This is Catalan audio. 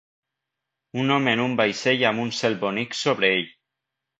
Un home en un vaixell amb un cel bonic sobre ell.